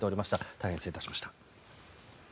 大変失礼いたしました。